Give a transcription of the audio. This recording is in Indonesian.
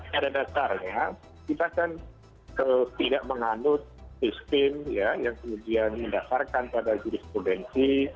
pada dasarnya kita kan tidak menganut sistem yang kemudian mendasarkan pada jurisprudensi